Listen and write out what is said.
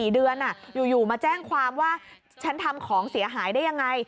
๔เดือนอยู่มาแจ้งความว่าฉันทำของเสียหายได้ยังไง